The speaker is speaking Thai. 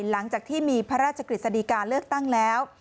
หลังจากที่มีพระราชกฤษฎีกาเลือกตั้งแล้ว